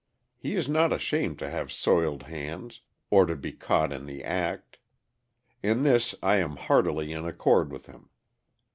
He is not ashamed to have soiled hands or to be caught in the act. In this I am heartily in accord with him.